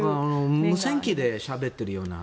無線機でしゃべっているような。